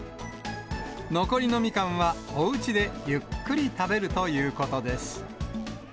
残りのみかんは、おうちでゆっくり食べるということです。